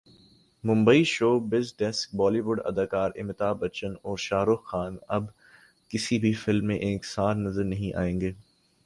Mumbai showbiz desk Bollywood اداکار امیتابھ بچن اور شاہ رخ خان اب کسی بھی فلم میں ایک ساتھ نظر نہیں آئیں گے